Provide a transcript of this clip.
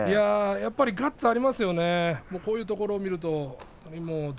やはりガッツがありますよね、こういうところを見ると。